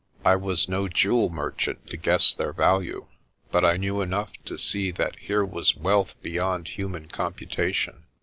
I was no jewel merchant to guess their value, but I knew enough to see that here was wealth beyond human compu tation.